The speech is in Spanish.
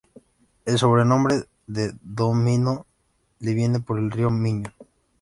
El sobrenombre de "do Minho" le viene por el río Miño.